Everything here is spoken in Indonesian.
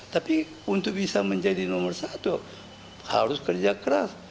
tapi untuk bisa menjadi nomor satu harus kerja keras